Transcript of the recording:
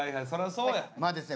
まあですね